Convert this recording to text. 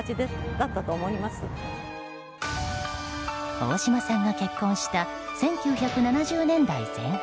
大島さんが結婚した１９７０年代前半